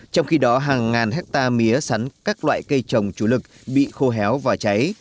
trong khi đó hàng ngàn hectare mía sắn các loại cây trồng chủ lực bị khô héo và cháy